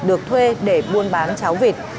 được thuê để buôn bán cháo vịt